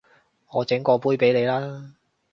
我整過杯畀你啦